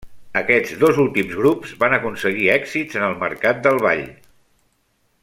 Aquests dos últims grups van aconseguir èxits en el mercat del ball.